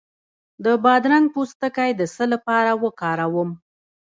د بادرنګ پوستکی د څه لپاره وکاروم؟